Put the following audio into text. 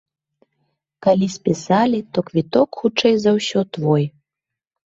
Калі спісалі, то квіток хутчэй за ўсё твой.